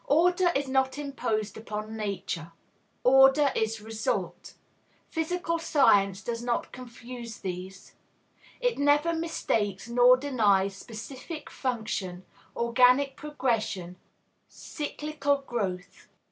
Order is not imposed upon Nature. Order is result. Physical science does not confuse these; it never mistakes nor denies specific function, organic progression, cyclical growth.